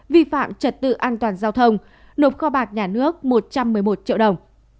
vi phạm trật tự an toàn giao thông nộp kho bạc nhà nước một trăm một mươi một triệu đồng